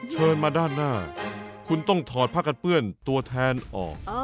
เชิญมาด้านหน้าคุณต้องถอดผ้ากันเปื้อนตัวแทนออก